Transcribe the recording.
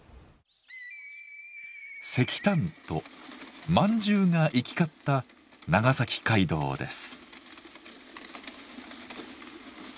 石炭と饅頭が行き交った長崎街道です。